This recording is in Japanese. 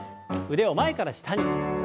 腕を前から下に。